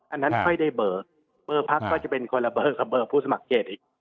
อันนั้นไม่ได้เบอร์เบอร์พักก็จะเป็นคนละเบอร์กับเบอร์ผู้สมัครเขตอีก